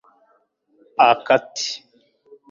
a kati